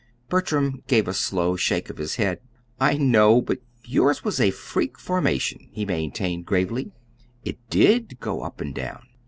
Bertram gave a slow shake of his head. "I know; but yours was a freak formation," he maintained gravely. "It DID go up and down.